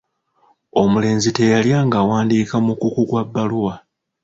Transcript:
Omulenzi teyalwa ng’awandiika mukuuku gwa bbaluwa.